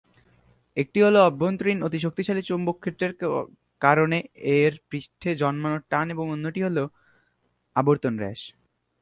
একটি হলো অভ্যন্তরীণ অতি শক্তিশালী চৌম্বক ক্ষেত্রের কারণে এর পৃষ্ঠে জন্মানো টান এবং অন্যটি হলো আবর্তন হ্রাস।